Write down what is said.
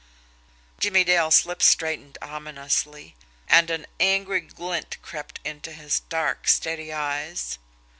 Jimmie Dale's lips straightened ominously, and an angry glint crept into his dark, steady eyes.